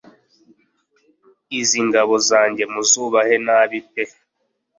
izi ngabo zanjye mu zubaha nabi pe